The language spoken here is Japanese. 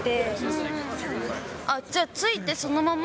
じゃあ、着いてそのまま。